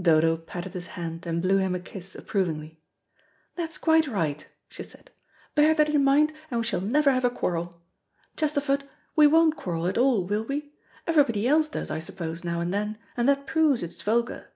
Dodo patted his hand, and blew him a kiss approvingly. "That's quite right," she said; "bear that in mind and we shall never have a quarrel. Chesterford, we won't quarrel at all, will we? Everybody else does, I suppose, now and then, and that proves it's vulgar.